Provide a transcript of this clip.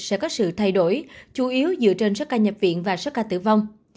sẽ có sự thay đổi chủ yếu dựa trên sất ca nhập viện và sất ca tử vong